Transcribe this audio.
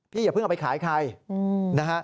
พี่อย่าเพิ่งเอาไปขายใคร